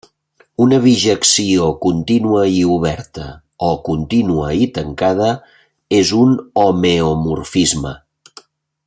Una bijecció contínua i oberta, o contínua i tancada, és un homeomorfisme.